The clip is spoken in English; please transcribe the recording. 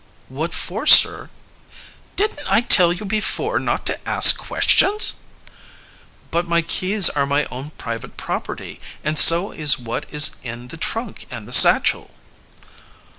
"What for, sir?" "Didn't I tell you before not to ask questions?" "But my keys are my own private property, and so is what is in the trunk and the satchel."